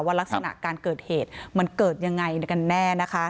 ลักษณะการเกิดเหตุมันเกิดยังไงกันแน่นะคะ